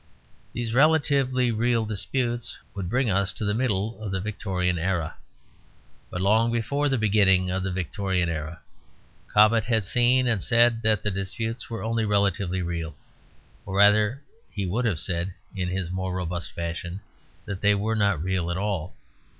These relatively real disputes would bring us to the middle of the Victorian era. But long before the beginning of the Victorian era, Cobbett had seen and said that the disputes were only relatively real. Or rather he would have said, in his more robust fashion, that they were not real at all.